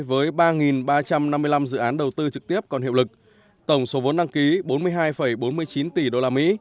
với ba ba trăm năm mươi năm dự án đầu tư trực tiếp còn hiệu lực tổng số vốn đăng ký bốn mươi hai bốn mươi chín tỷ usd